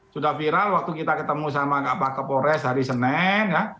sudah viral waktu kita ketemu sama pak kapolres hari senin ya